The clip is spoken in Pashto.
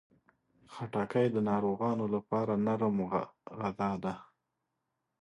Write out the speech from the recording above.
خټکی د ناروغانو لپاره نرم غذا ده.